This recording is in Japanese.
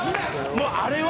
もうあれは。